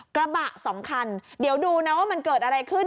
กระบะสองคันเดี๋ยวดูนะว่ามันเกิดอะไรขึ้น